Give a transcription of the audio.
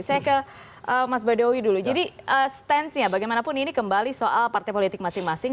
saya ke mas badawi dulu jadi stance nya bagaimanapun ini kembali soal partai politik masing masing